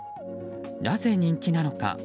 なぜ人気なのか。